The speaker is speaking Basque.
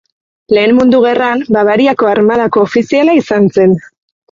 Lehen Mundu Gerran Bavariako armadako ofiziala izan zen.